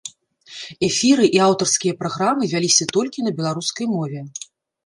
Эфіры і аўтарскія праграмы вяліся толькі на беларускай мове.